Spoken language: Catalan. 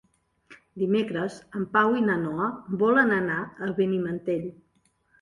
Dimecres en Pau i na Noa volen anar a Benimantell.